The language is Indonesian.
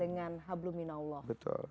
dengan hablu min allah